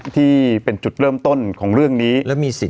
ที่เป็นจุดเริ่มต้นของเรื่องนี้แล้วมีสิ่ง